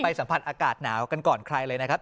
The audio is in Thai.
สัมผัสอากาศหนาวกันก่อนใครเลยนะครับ